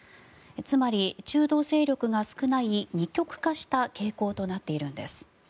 つまり、中道勢力が少ない二極化した傾向となっているんです。